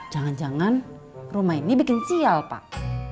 jangan jangan rumah ini bikin sial pak